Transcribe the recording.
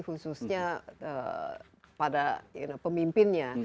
khususnya pada pemimpinnya